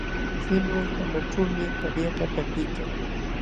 Kinwal hanaćhuumi paryakaq takiykan.